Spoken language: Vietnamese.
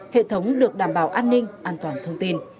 hệ thống được đảm bảo an ninh an toàn thông tin